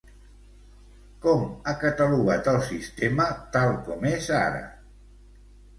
Com ha catalogat al sistema tal com és ara?